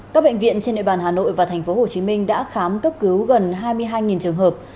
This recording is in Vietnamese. các bệnh viện trên địa bàn hà nội và tp hcm đã khám cấp cứu gần hai mươi hai trường hợp